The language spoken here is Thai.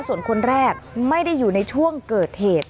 ส่วนคนแรกไม่ได้อยู่ในช่วงเกิดเหตุ